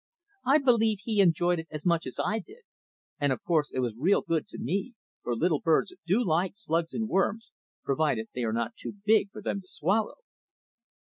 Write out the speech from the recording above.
I believe he enjoyed it as much as I did, and of course it was real good to me, for little birds do like slugs and worms, provided they are not too big for them to swallow.